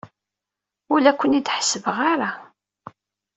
Ur la ken-id-ḥessbeɣ ara.